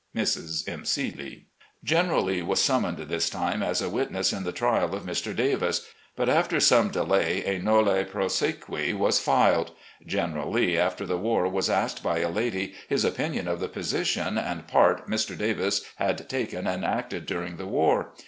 Lee." General Lee was summoned this time as a witness in the trial of Mr. Davis, but after some delay a nolle prosequi was filed. General Lee after the war was asked by a lady his opinion of the position and part Mr. Davis had taken and acted during the war.